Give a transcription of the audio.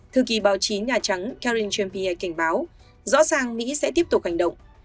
thư ký báo chí nhà trắng karen champier cảnh báo rõ ràng mỹ sẽ tiếp tục hành động